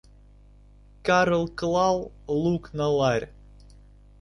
Карл клал лук на ларь.